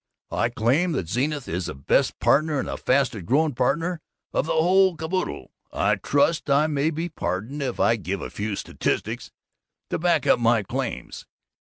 I claim that Zenith is the best partner and the fastest growing partner of the whole caboodle. I trust I may be pardoned if I give a few statistics to back up my claims.